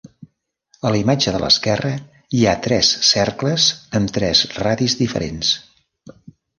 A la imatge de l'esquerra hi ha tres cercles amb tres radis diferents.